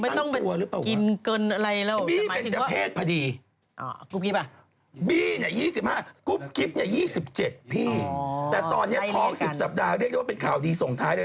แต่ตอนนี้ท้อง๑๐สัปดาห์เรียกได้ว่าเป็นข่าวดีส่งท้ายเลย